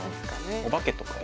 お化けとかは？